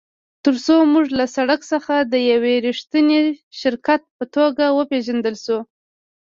ترڅو موږ له سړک څخه د یو ریښتیني شرکت په توګه وپیژندل شو